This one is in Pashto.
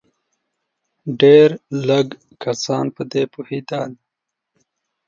ډېر لږ کسان په دې پوهېدل.